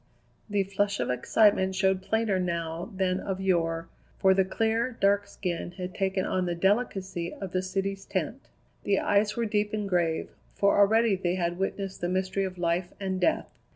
The flush of excitement showed plainer now than of yore, for the clear, dark skin had taken on the delicacy of the city's tint. The eyes were deep and grave, for already they had witnessed the mystery of life and death.